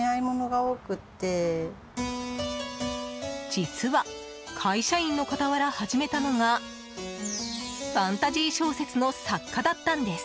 実は、会社員の傍ら始めたのがファンタジー小説の作家だったんです。